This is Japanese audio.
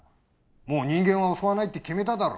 「もう人間は襲わないって決めただろ。